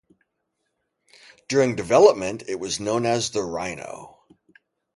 During development, it was known as the "Rhino".